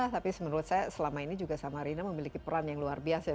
tapi menurut saya selama ini juga samarinda memiliki peran yang luar biasa